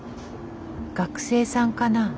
学生さんかな？